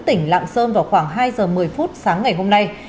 tỉnh lạng sơn vào khoảng hai giờ một mươi phút sáng ngày hôm nay